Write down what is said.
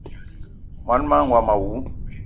Mon manga womo awou!